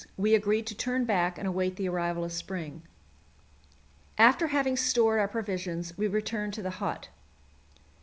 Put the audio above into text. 80° we agreed to turn back and await the arrival of spring. After having stored our provisions, we returned to the hut.